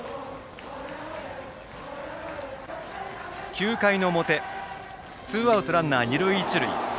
９回の表ツーアウトランナー、二塁一塁。